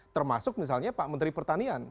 termasuk misalnya pak menteri pertanian